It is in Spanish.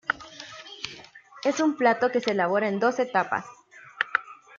Es un plato que se elabora en dos etapas.